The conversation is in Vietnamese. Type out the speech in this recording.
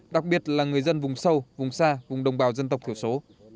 đặc biệt là người dân vùng sâu vùng xa vùng đồng bào dân tộc thiểu số